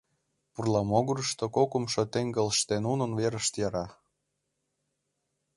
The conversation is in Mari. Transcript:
Пурла могырышто кокымшо теҥгылыште нунын верышт яра.